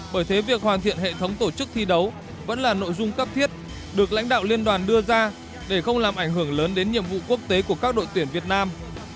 bởi thế việc hoàn thiện hệ thống tổ chức thi đấu vẫn là nội dung cấp thiết được lãnh đạo liên đoàn đưa ra để không làm ảnh hưởng lớn đến nhiệm vụ quốc tế của các đội tuyển việt nam